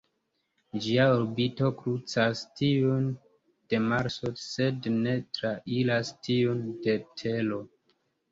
Ĝia orbito krucas tiun de Marso sed ne trairas tiun de Tero.